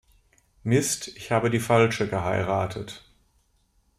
Mist, ich habe die Falsche geheiratet!